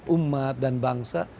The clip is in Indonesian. umat dan bangsa